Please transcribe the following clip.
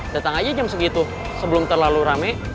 datang aja jam segitu sebelum terlalu rame